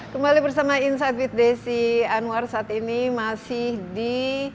terima kasih harus saya beripan untuk ini